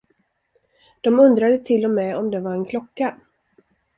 De undrade till och med om det var en klocka.